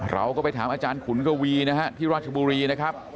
เราก็ไปถามอาจารย์ขุนกวีนะฮะที่ราชบุรีนะครับ